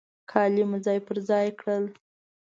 کالي مو ځای پر ځای کړل.